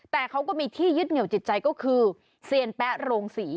แต่เขาก็มีที่ยึดเหนียวจิตใจก็คือเซียนแป๊ะโรงศรี